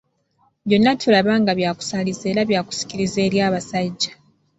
Byonna tulaba nga byakusaaliza era byakusikiriza eri abasajja.